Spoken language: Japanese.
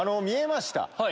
見えました。